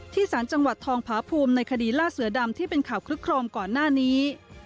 สารจังหวัดทองพาภูมิในคดีล่าเสือดำที่เป็นข่าวคลึกโครมก่อนหน้านี้